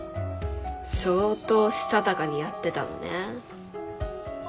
相当したたかにやってたのね。